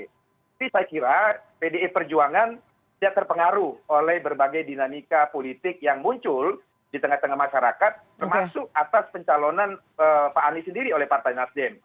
tapi saya kira pdi perjuangan tidak terpengaruh oleh berbagai dinamika politik yang muncul di tengah tengah masyarakat termasuk atas pencalonan pak anies sendiri oleh partai nasdem